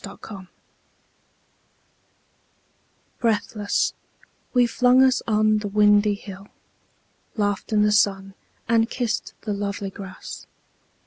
The Hill Breathless, we flung us on the windy hill, Laughed in the sun, and kissed the lovely grass.